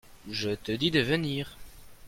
je te dis de venir.